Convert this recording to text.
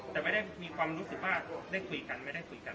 แต่ไม่ได้มีความรู้สึกว่าได้คุยกันไม่ได้คุยกัน